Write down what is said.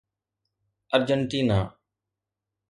Argentina